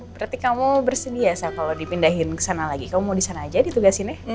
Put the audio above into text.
berarti kamu bersediasa kalau dipindahin ke sana lagi kamu mau di sana aja ditugasin ya